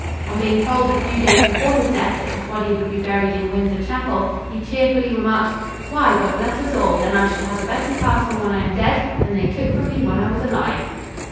On being told a few days before his death that his body would be buried in Windsor Chapel, he cheerfully remarked: "Why, God bless us all, then I shall have a better castle when I am dead than they took from me when I was alive."